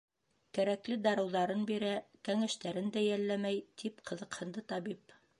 Кәрәкле дарыуҙарын бирә, кәңәштәрен дә йәлләмәй. — тип ҡыҙыҡһынды табип.